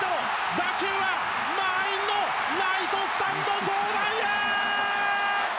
打球は満員のライトスタンド上段へ！